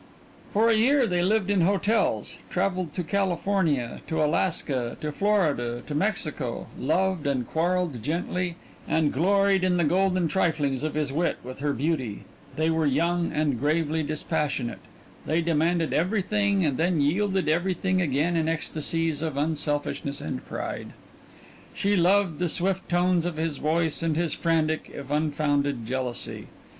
For a year they lived in hotels, travelled to California, to Alaska, to Florida, to Mexico, loved and quarrelled gently, and gloried in the golden triflings of his wit with her beauty they were young and gravely passionate; they demanded everything and then yielded everything again in ecstasies of unselfishness and pride. She loved the swift tones of his voice and his frantic, if unfounded jealousy.